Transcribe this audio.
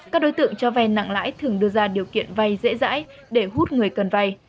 các đối tượng cho vay nặng lãi thường đưa ra điều kiện vay dễ dãi để hút người cần vay